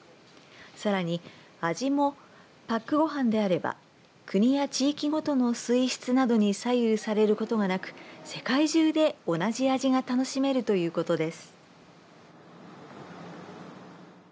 さらに味もパックごはんであれば国や地域ごとの水質などに左右されることがなく世界中で同じ味が楽しめるということです。